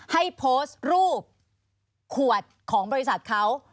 ให้โพสต์รูปขวดของบริษัทเขา